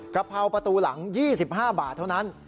กระเพราประตูหลัง๒๕บาทเท่านั้น